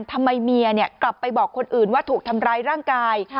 ทำไมเมียกลับไปบอกคนอื่นว่าถูกทำร้ายร่างกาย